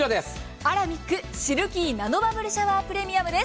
アラミックシルキーナノバブルシャワープレミアムです。